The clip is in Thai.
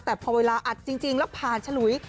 แต่พอเวลาอัดจริงแล้วผ่านฉลุย